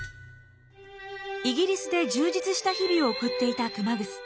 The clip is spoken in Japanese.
イギリスで充実した日々を送っていた熊楠。